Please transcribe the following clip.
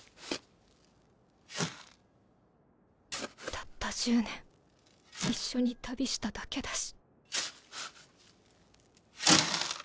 たった１０年一緒に旅しただけだし。